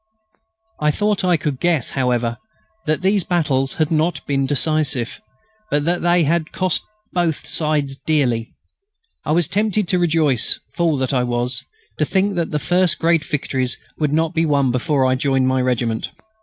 I thought I could guess, however, that these battles had not been decisive, but that they had cost both sides dear. I was tempted to rejoice, fool that I was, to think that the first great victories would not be won before I joined my regiment.